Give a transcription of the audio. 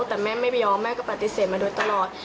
แต่แม่ไม่ยอมแม่ก็ปฏิเสธมาโดยตลอด